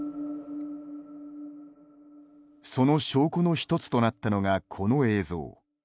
その証拠の一つとなったのがこの映像。